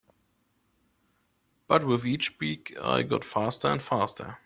But with each week I got faster and faster.